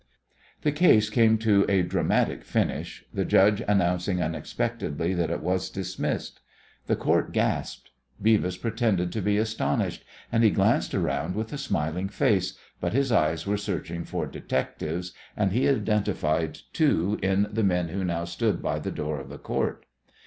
The case came to a dramatic finish, the judge announcing unexpectedly that it was dismissed. The Court gasped. Beavis pretended to be astonished, and he glanced around with a smiling face, but his eyes were searching for detectives, and he identified two in the men who now stood by the door of the Court.